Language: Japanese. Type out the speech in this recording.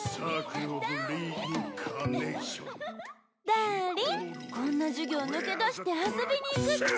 ダリンこんな授業抜け出して遊びに行くっちゃ。